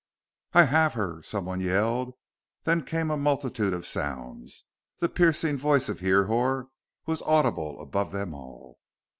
"I have her!" someone yelled. Then came a multitude of sounds. The piercing voice of Hrihor was audible above them all.